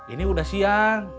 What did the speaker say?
ini udah siang